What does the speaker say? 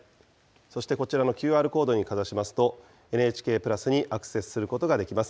そしてこちらのＱＲコードにかざしますと、ＮＨＫプラスにアクセスすることができます。